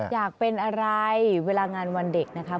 อยากเป็นอะไรเวลางานวันเด็กนะครับ